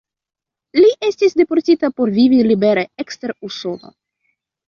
Li estis deportita por vivi libere ekster Usono.